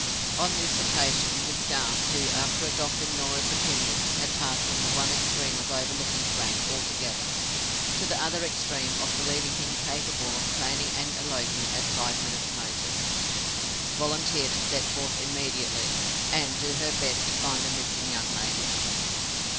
On this occasion, Miss Garth—who, after adopting Norah's opinions, had passed from the one extreme of over looking Frank altogether, to the other extreme of believing him capable of planning an elopement at five minutes' notice—volunteered to set forth immediately, and do her best to find the missing young lady.